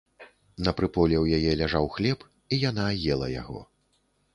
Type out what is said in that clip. На прыполе ў яе ляжаў хлеб, і яна ела яго.